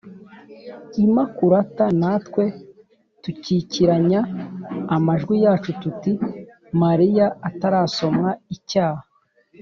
imakulata(natwe tukikiranya amajwi yacu tuti: “mariya utarasamanywe icyaha: